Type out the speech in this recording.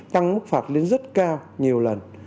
tăng mức phạt lên rất cao nhiều lần